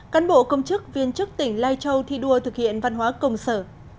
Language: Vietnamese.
cán bộ công chức viên chức tỉnh lai châu thi đua thực hiện văn hóa công sở